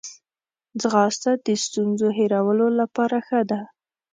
ځغاسته د ستونزو هیرولو لپاره ښه ده